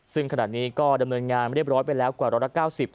ซึ่งขณะนี้ก็ดำเนินงานเรียบร้อยไปแล้วกว่าร้อยละ๙๐